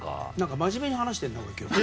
真面目に話してるね